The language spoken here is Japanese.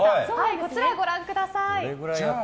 こちら、ご覧ください。